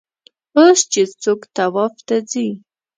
اوس چې څوک طواف ته ځي.